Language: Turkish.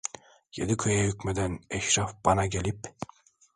Yedi köye hükmeden eşraf bana gelip: